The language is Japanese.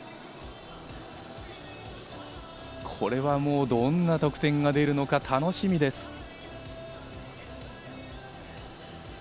これはどんな得点が出るのか楽しみです。